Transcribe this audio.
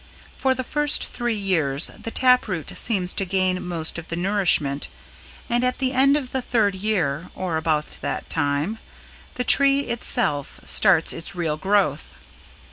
For the first three years the tap root seems to gain most of the nourishment, and at the end of the third year, or about that time, the tree itself starts its real growth.